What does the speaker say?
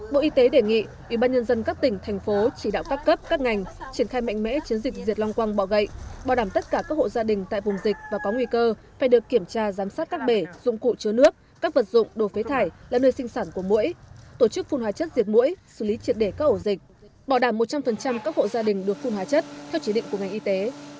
bộ y tế đề nghị ubnd các tỉnh thành phố chỉ đạo các cấp các ngành triển khai mạnh mẽ chiến dịch diệt long quang bỏ gậy bảo đảm tất cả các hộ gia đình tại vùng dịch và có nguy cơ phải được kiểm tra giám sát các bể dụng cụ chứa nước các vật dụng đồ phế thải là nơi sinh sản của mũi tổ chức phun hóa chất diệt mũi xử lý triệt để các ổ dịch bảo đảm một trăm linh các hộ gia đình được phun hóa chất theo chế định của ngành y tế